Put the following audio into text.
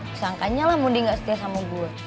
disangkanya lah moody gak setia sama gue